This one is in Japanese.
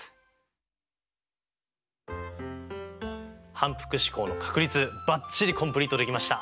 反復試行の確率ばっちりコンプリートできました。